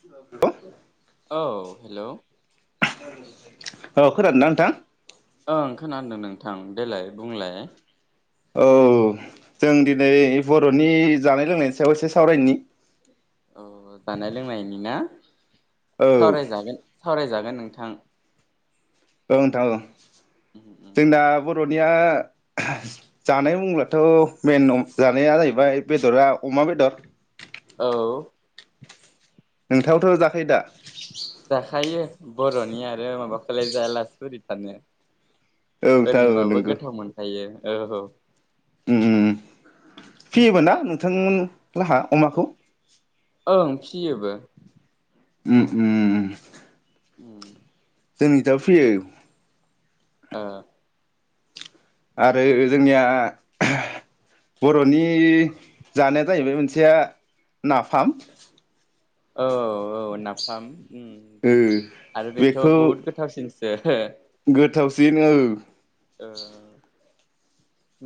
Hello औ hello औ खोनादोंना नोंथां? ओं खोनादों नोंथां देलाय बुंलाय औ जों दिनै बर'नि जानाय लोंनायनि सायाव एसे सावरायनि औ जानाय लोंनायनि ना? औ सावरायजागोन सावराय जागोन नोंथां औ नोंथां औ जोंना बर'निया जानाय बुब्लाथ' मेन जानाया जाहैबाय बेदरा अमा बेदर औ नोंथाङाबोथ' जाखायो दा जाखायो बर'नि आरो माबाखौलाय जाया लासे बोरै थानो औ नोंथां औ ओरैनोबाबो नंगौ गोथाव मोनखायो औ उम उम फैयोमोन ना नोंथांमोन ला हा अमाखौ ओं फिसियोबो उम उम उम जोंनिजाबो फैयो ओ आरो जोंनिया बर'नि जानाया जाहैबाय मोनसेया नाफाम औ औ नाफाम ओम ओ आरो बेथ' बेखौ बहुत गोथाव सिन [unintelligible] गोथावसिन औ ओ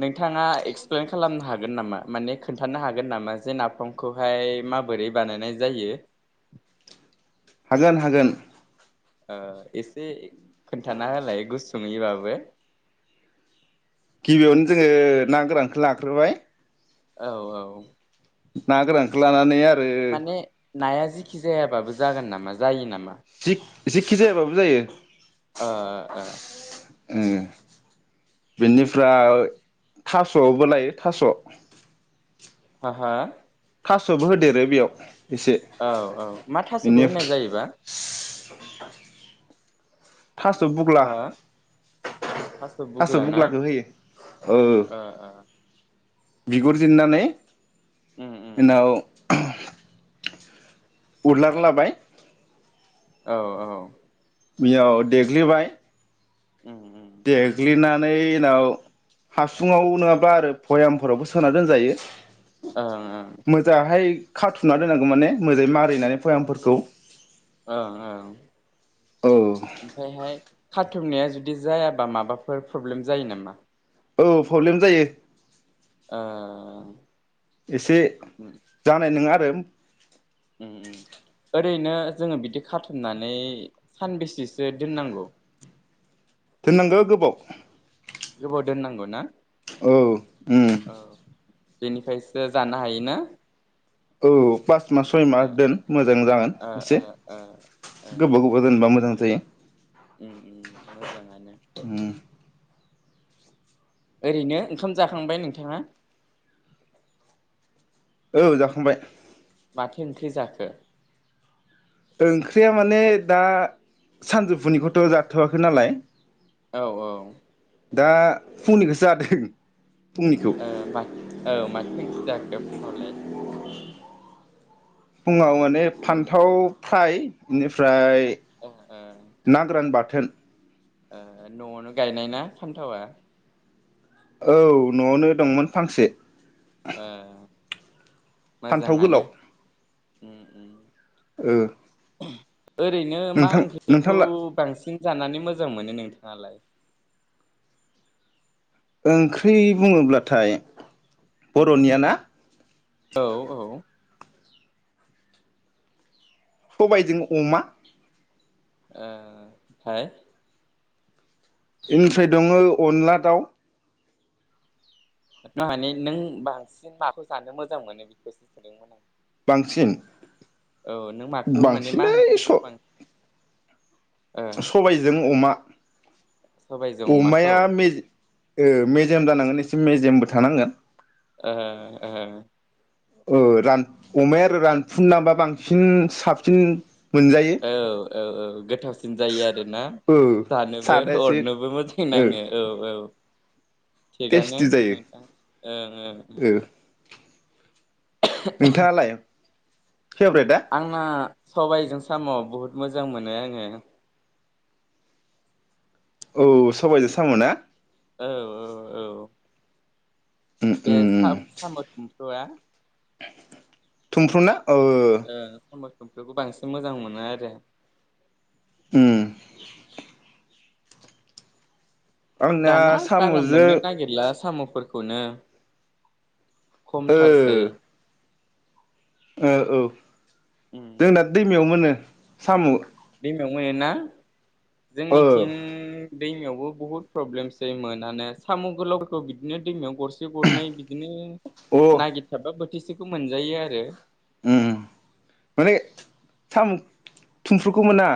नोंथाङा एक्सप्लेन खालामनो हागोन नामा माने खोन्थानो हागोन नामा जे नाफामखौहाय माबोरै बानायनाय जायो? हागोन हागोन ओ एसे खोन्थाना होलाय गुसुयङैबाबो गिबियावनो जोङो ना गोरानखौ लाग्रोबाय औ औ ना गोरानखौ लानानै आरो माने नाया जेखि जायाबाबो जागोन नामा जायो नामा? जिखि जायाबाबो जायो ओ ओ ओम बिनिफ्राय थास'आवबो लायो थास' हा हा थास'बो होदेरो बेयाव। एसे औ औ मा थासुखौ बेनि होननाय जायोबा थास' बुग्ला हो थास' थासो बुग्ला ना बुग्लाखौ होयो औ ओ ओ बिगुरजेननानै उम उम उनाव [unintelligible] [unintelligible] लाबाय औ औ बेयाव देग्लिबाय [unintelligible] देग्लिनानै उनाव हासुुङाव नङाब्ला आरो बयामफोरावबो सोना दोनजायो ओं मोजां हाय खाथुना दोननांगौ माने मोदाङै मारिनानै भयामफोरखौ ओं ओं औ ओमफ्रायहाय खाथुमनाया जुदि जायाबा माबाफोर प्रब्लेम जायो नामा? औ प्रब्लेम जायो ओ एसे उम जानाय नङा आरो उम ओरैनो जोङो बिदि खाथुमनानै सानबेसेसो दोननांगौ दोननांगौ गोबाव गोबाव दोननांगौ ना? औ उम औ बेनिफ्रायसो जानो हायोना औ पास मास सय ओ मास दोन मोजां जागोन ओ ओ एसे ओ ओ गोबाव गोबाव दोनबा मोजां जायो उम मोजाङानो उम ओरैनो ओंखाम जाखांबाय नोंथाङा औ जाखांबाय माथो ओंख्रि जाखो? ओंख्रिया माने दा सानजौफुनिखौथ' जाथ'वाखै नालाय औ औ दा फुंनिखौसो जादों फुंनिखौ [unintelligible] [unintelligible] फुङाव माने फान्थाव फ्राय बेनिफ्राय ओ नां गोरान बाथोन न'आवनो गायनाय ना फानथावा औ न'आवनो दंमोन फांसे ओ फान्थाव मोजाङानो गोलाव उम उम ओ ओरैनो मा नोंथां ओंख्रिखौ नोंथांला बांसिन जानानै मोजां मोनो नोंथाङालाय? ओंख्रि बुङोब्लाथाय उम बर'निया ना औ ओ सबायजों अमा ओ हाय बेनिफ्राय दङ अनला दाउ माने नों बांसिन माखौ जानो मोजां मोनो बेखौसो सोदोंमोन आं बांसिन औ नों माखौ माने मा बांसिनै स ओंख्रिखौ बां ओ सबायजों अमा सबायजों अमाया अमाखौ मेजे ओ मेजेम जानांगोन एस मेजेमबो थानांगोन ओ ओ औ रान अमाया आरो रानफुलाबा बांसिन साबसिन मोनजायो औ औ औ गोथावसिन जायो आरोना ओ जानोबो सादासो अरनोबो मोजां ओ नाङो औ औ थिगानो टेस्टि जायो नोंथां ओं ओं ओ नोंथाङालाय फेभरेटआ आंना सबायजों साम' बहुद मोजां मोनो आङो औ सबायजों साम'ना औ औ औ उम दे उम उम [unintelligible] आ थुमफ्रुना ओ ओ खौ बांसिन मोजां मोनो आरो उम आंना दाना बारा साम'जों मोननो नागिरला साम' फोरखौनो खमथारसै औ औ जोंना दैमायाव मोनो सामु दैमायाव मोनो ना? ओ जोंनिथिं दैमायावबो बुहुत प्रब्लेमसै मोनानो साम गोलावफोरखौ बिदिनो दैमायाव गरसे गरनै बिदिनो अ नागिरथाबबा बोथिसे सेखौ मोनजायो आरो उम माने सामु थुमफ्रुखौ मोना।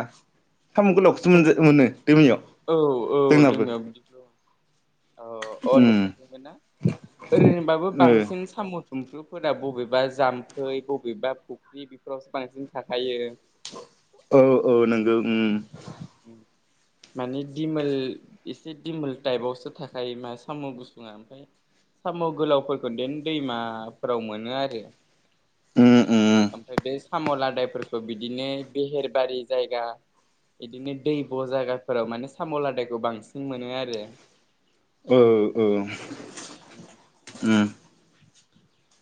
सामु गोलावखौसो मोनज-मोनो दैमायाव औ जोंनाबो। अ अ उम नोंसोरखौ मोना ओरैनोबाबो ओ बांसिन साम' थुमफ्रुफोरा बबेबा जाम्फै बबेबा फुख्रि बेफोरावसो बांसिन थाखायो औ औ नोंगौ उम माने दिमोल एसे दिमोल टाइपआवसो थाखायो मा साम' गुसुङा ओमफ्राय साम' गोलावफोरखौ देन दैमाफोराव मोनो आरो। उम उम ओमफ्राय बे साम' लादायफोरखौ बिदिनो बेहेरबारि जायगा बिदिनो दैब' जागाफोराव माने साम' लादायखौ बांसिन मोनो आरो। ओ ओ उम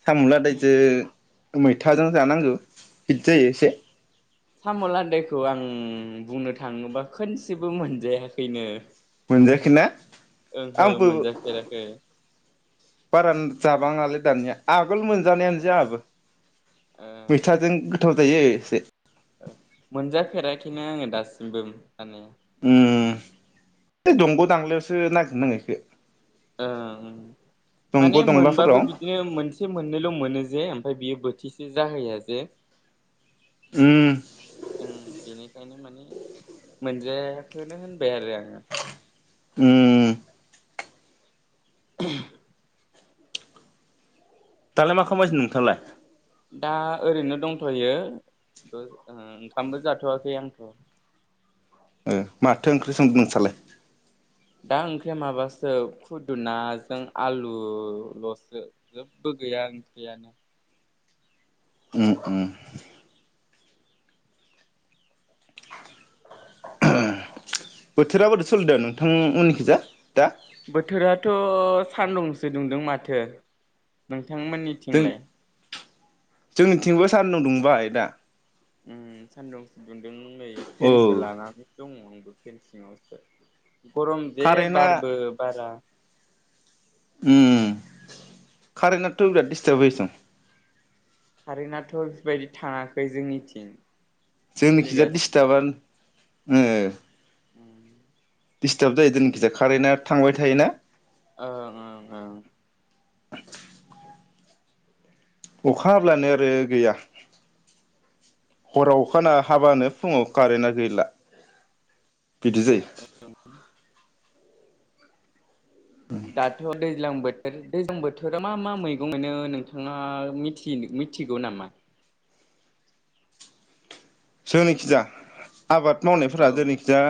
सामु लादायजो मैथाजों जानांगो हित जायो इसे साम' लादायखौ आं बुंनो थाङोबा खोनसेबो मोनजायाखैनो। मोनजायाखैना ओंहो आंबो मोनजाफेराखै बारा जाबाङालै दानिया आगोल मोनजानायानो जाहाबो। ओ मैथाजों गोथाव जायो इसे मोनजाफेराखैनो आङो दासिमबो माने उम ए दंग' दांलायावसो नागिर नाङो इखो। उम दंग' माने दंलाफोराव मोनबाबो बिदिनो मोनसे मोननैल मोनो जे ओमफ्राय बियो बो थिसो जाहैया जे उम उम बेनिखायनो माने मोनजायाखोननो होनबाय आरो आङो उम [inaudible] दालाय मा खालामगासै नोंथाङालाय दा ओरैनो दंथयो ओ ओंखामबो जाथवाखै आंथ ओ माथो ओंख्रि संदो नोसालाय दा ओंख्रिया माबासो खुदुनाजों आलुलसो जेबो गैया ओंख्रियानो उम उम बोथोरा बोरै सलिदो नोंथां मोननिखिजा दा बोथोराथ' सान्दुंसो दुंदों माथो नों जों थांमोननिथिंलाय जोंनिथिंबो सान्दुं दुंबाय दा उम सान्दुं दों नै औ फेनसो लानानै दङ फेन सिङावसो गरम जे कारेन्टआ बारबो बारा उम खारेन्टआथ बिराद दिस्टार्ब होयोसं कारेनाआथ' बेफोरबायदि थाङाखै जोंनिथिं जोंनिखिजा सोलिगासिनो दिस्थाबान [unintelligible] उम दिस्टाब जायो जोंनिखिजाय कारेना थांबाय थायो ना ओ ओं‌ ओं अखा हाब्लानो आरो गैया हराव अखाना हाबानो फुङाव कारेना गैला बिदि जायो [inaudible] दाथ दैज्लां बो दैज्लां बोथोराव मा मा मैगं मोनो नोंथाङा मिथिनो मिथिगौ नामा जोंनिखिजा आबाद औ मावनायफोरा जोनिखिजा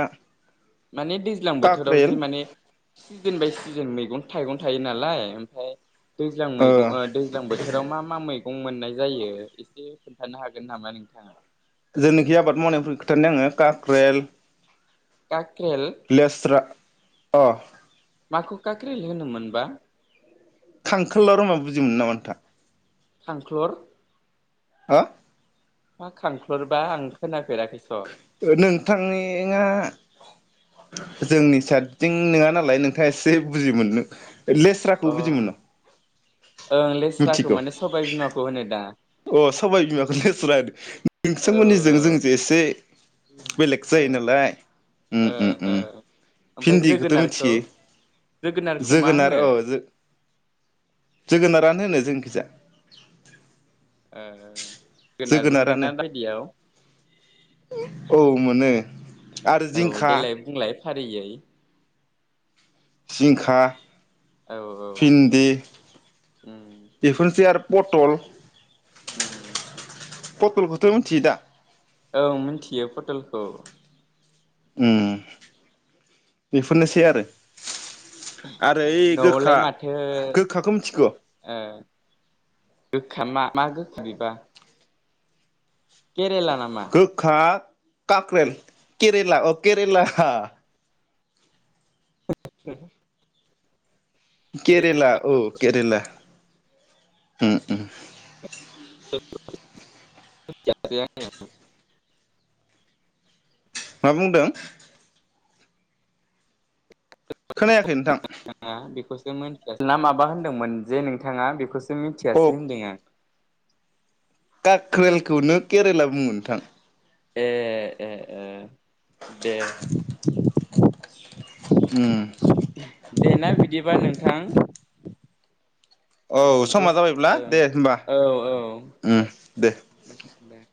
माने दैज्लां बोथोराव जि माने सिजोन बाय सिजोन मैगं थाइगं थायो नालाय ओमफाय दैज्लां मैग ओ दैज्लां बोथोराव मा मा मै गं मोननाय जायो एसे खोन्थानो हागोन नामा नोंथाङा जोंनोखि आबाद मावनायफोर खिथानि आङो काक्रेल का लेस्रा अ माखौ काक्रेल होनोमोनबा खांखोलर होनबा बुजिमोनो नामा नोंथाङा खांख्लर हो मा खांख्लरबा आं खोना नोंथांनि एङा जोंनि साइदथिं नोङा नालाय नोंथाङा एसे बुजि मोननो लेस्राखौ अ बुजि मोनो ओं लेस्राखौ मिथिगौ माने सबाइ बिमाखौ होनो दा अ सबाइ बिमाखो लेस्रा होनो औ नोंथांमोननिजो औ जोंनि जो एसे बेलेग जायो ओं नालाय ओं ओं ओमफ्राय भिन्दिखौथ' जोगोनारखौ मिथियो जोगोनारखौ मा जोगोनार होनो औ जो जोगोनारानो होनो जोंखिजा ओ गोनारबो मोनो जोगोनारानो ना बायदियाव औ मोनो आरो औ जिंखा देलाय बुंलाय फारियै जिंखा औ औ फिन्दि उम बेफोरसै आर फथल हो पटलखौथ' मिथियो दा औ मिथियो पटलखौ उम बेफोरनोसै आरो आरो ओ ओइ न'आवलाय गोखा माथो गोखाखौ मिथिगौ ओ गोखा मा गोखो बिबा गोखा काक्रेल केरेला अ केरेला [unintelligible] केरेला ओ केरेला उम उम [unintelligible] मा बुंदों खोनायाखै नोंथां नों मानसिआ ना माबा होनदोंमोन जे नोंथाङा बेखौ खौ अ मिथियासै होनदों आं काक्रेलखौनो केरेला बुंङो नोंथां ए ए ए दे [unintelligible] ओम दे ना बिदिबा नोंथां औ ओम समा दस जाबायब्ला दे होमबा औ औ उम दे दे